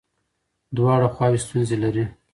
دواړه خواوې ستونزې لري.